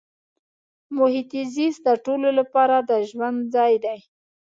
محیط زیست د ټولو لپاره د ژوند ځای دی.